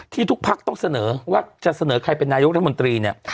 ทุกพักต้องเสนอว่าจะเสนอใครเป็นนายกรัฐมนตรีเนี่ย